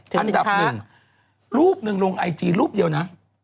ถือสินค้ารูปนึงลงไอจีรูปเดียวนะ